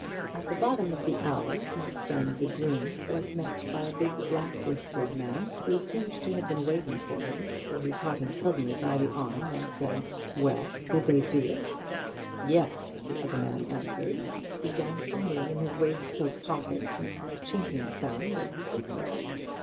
At the bottom of the alley my friend the groom was met by a big black whiskered man, who seemed to have been waiting for him, for he caught him suddenly by the arm, and said, 'Well, did they do it?' 'Yes,' the other man answered, and began fumbling in his waistcoat pocket, making a chinking sound as he did so.